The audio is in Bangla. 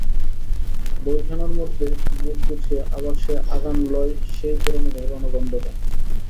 বইখানার মধ্যে মুখ গুজিয়া আবার সে আঘাণ লয়-সেই পুরানো পুরানো গন্ধটা!